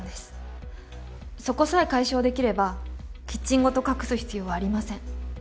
そこさえ解消できればキッチンごと隠す必要はありません。